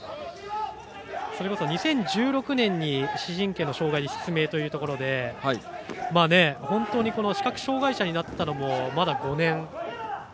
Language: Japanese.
それこそ２０１６年に視神経の障がいで失明ということで本当に視覚障がい者になったのもまだ５年。